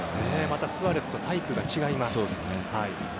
またスアレスとタイプが違います。